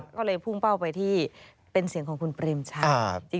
ก็เลยพุ่งเป้าไปที่เป็นเสียงของคุณเปรมชัย